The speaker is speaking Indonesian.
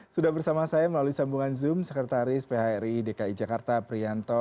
sudah bersama saya melalui sambungan zoom sekretaris phri dki jakarta prianto